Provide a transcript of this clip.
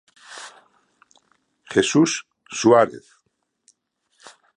Jesús Suárez.